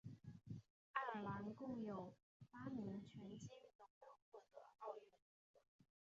爱尔兰共有八名拳击运动员获得奥运资格。